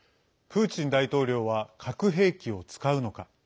プーチン大統領は核兵器を使うのか。